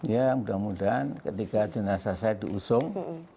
ya mudah mudahan ketika jenazah saya diusung